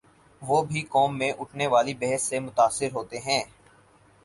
وہ بھی قوم میں اٹھنے والی بحث سے متاثر ہوتے ہیں۔